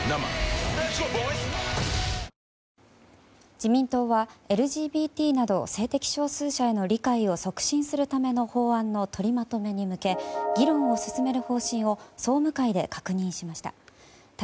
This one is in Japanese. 自民党はＬＧＢＴなど性的少数者への理解を促進するための法案の取りまとめに向け議論を進める方針を総務会で確認しました。